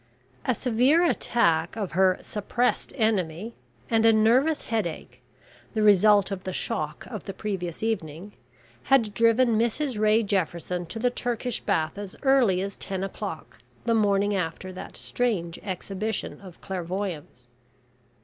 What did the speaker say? A severe attack of her "suppressed" enemy, and a nervous headache, the result of the shock of the previous evening, had driven Mrs Ray Jefferson to the Turkish bath as early as ten o'clock the morning after that strange exhibition of Clairvoyance.